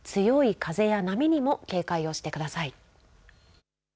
強い風や波にも警戒をしてください。